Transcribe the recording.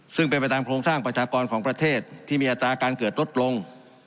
ซึ่งเป็นไปตามโครงสร้างประชากรของประเทศที่มีอัตราการเกิดลดลง